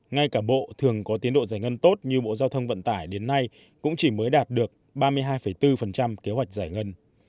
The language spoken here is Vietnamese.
ngay cả bộ thường có tiến độ giải ngân tốt như bộ giao thông vận tải đến nay cũng chỉ mới đạt được ba mươi hai bốn kế hoạch giải ngân